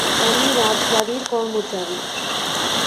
আমি রাজবাটির কর্মচারী।